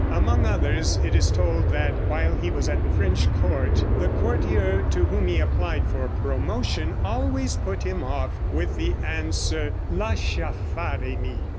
Among others it is told that while he was at the French court the courtier to whom he applied for promotion always put him off with the answer, "Lascia fare mi."